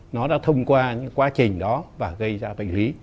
nó đã thông qua những quá trình đó và gây ra bệnh lý